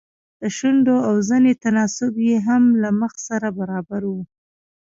د شونډو او زنې تناسب يې هم له مخ سره برابر و.